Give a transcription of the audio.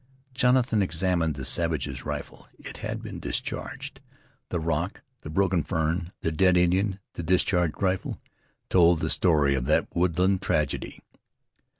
Jonathan examined the savage's rifle. It had been discharged. The rock, the broken fern, the dead Indian, the discharged rifle, told the story of that woodland tragedy.